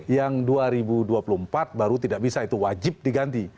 yang dua ribu dua puluh empat baru tidak bisa itu wajib diganti